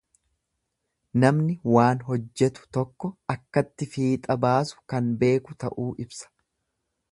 Namni waan hojjetu tokko akkatti fiixa baasu kan beeku ta'uu ibsa.